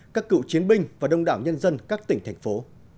các cựu chiến binh và đông đảo nhân dân các tỉnh thành phố